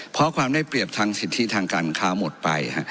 เพราะความได้เปรียบทางสิทธิทางการค้าหมดไป